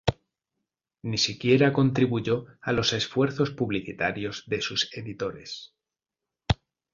Ni siquiera contribuyó a los esfuerzos publicitarios de sus editores.